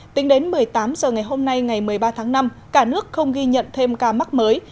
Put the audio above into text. tính đến một mươi tám h ngày hôm nay ngày một mươi ba tháng năm cả nước không ghi nhận thêm ca mắc mới